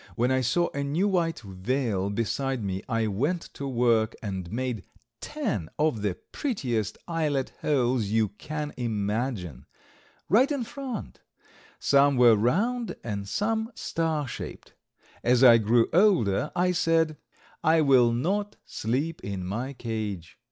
When I saw a new white veil beside me I went to work and made ten of the prettiest eyelet holes you can imagine, right in front; some were round and some star shaped. As I grew older I said, "I will not sleep in my cage."